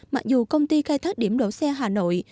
mặc dù công ty khai thác điểm đỗ xe hà nội